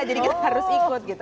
jadi kita harus ikut gitu